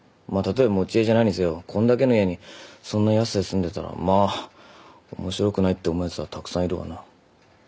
まあたとえ持ち家じゃないにせよこんだけの家にそんな安さで住んでたらまあ面白くないって思うやつはたくさんいるわな。